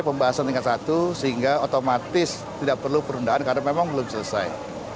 pembahasan tingkat satu sehingga otomatis tidak perlu perundaan karena memang belum selesai